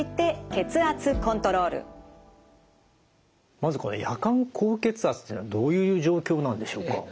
まずこの夜間高血圧というのはどういう状況なんでしょうか？